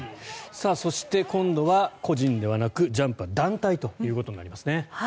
そして、今度は個人ではなくジャンプは団体となりますね。